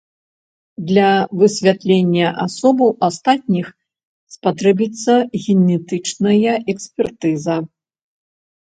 Для высвятлення асобаў астатніх спатрэбіцца генетычная экспертыза.